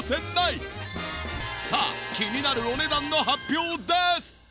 さあ気になるお値段の発表です！